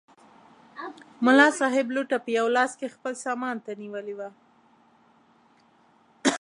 ملا صاحب لوټه په یوه لاس کې خپل سامان ته نیولې وه.